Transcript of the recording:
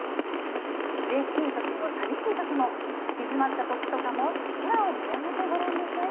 うれしいときも寂しいときも、行き詰ったときとかも、空を見上げてごらんなさい。